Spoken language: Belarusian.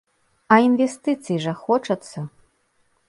А інвестыцый жа хочацца!